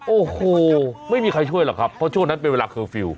โอ้โหไม่มีใครช่วยหรอกครับเพราะช่วงนั้นเป็นเวลาเคอร์ฟิลล